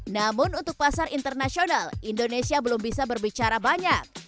namun untuk pasar internasional indonesia belum bisa berbicara banyak